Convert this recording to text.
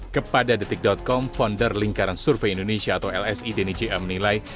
kepada detik com founder lingkaran survei indonesia atau lsi denny j a menilai